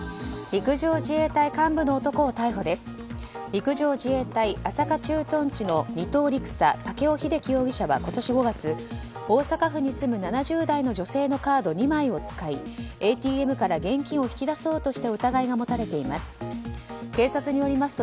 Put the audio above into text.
陸上自衛隊、朝霞駐屯地の２等陸佐・竹尾秀樹容疑者は今年５月大阪府に住む７０代の女性のカード２枚を使いＡＴＭから現金を引き出そうとした疑いが持たれています。